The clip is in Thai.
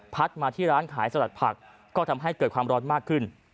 มาที่ร้านขายสลัดผักก็ทำให้เกิดความร้อนมากขึ้น